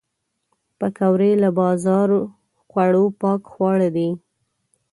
پکورې له بازار خوړو پاک خواړه دي